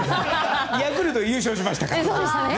ヤクルト優勝しましたから。